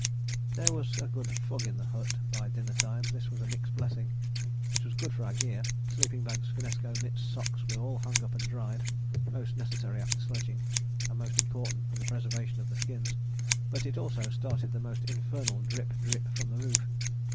There was a good fug in the hut by dinner time: this was a mixed blessing. It was good for our gear: sleeping bags, finnesko, mitts, socks were all hung up and dried, most necessary after sledging, and most important for the preservation of the skins; but it also started the most infernal drip drip from the roof.